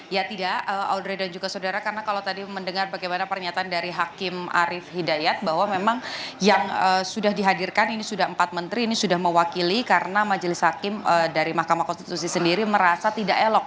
ya tidak audrey dan juga saudara karena kalau tadi mendengar bagaimana pernyataan dari hakim arief hidayat bahwa memang yang sudah dihadirkan ini sudah empat menteri ini sudah mewakili karena majelis hakim dari mahkamah konstitusi sendiri merasa tidak elok